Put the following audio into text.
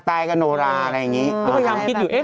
เติมกับอิสานใช่ไหม